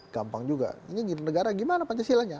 gampang juga ini negara gimana pancasilanya